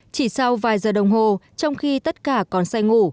chỉ sau vài giờ đồng hồ trong khi tất cả còn say ngủ